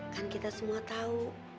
kan kita semua tahu